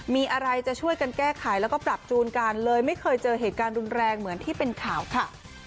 มีอะไรจะช่วยกันแก้ไขแล้วก็ปรับจูนกันเลยไม่เคยเจอเหตุการณ์รุนแรงเหมือนที่เป็นข่าวค่ะ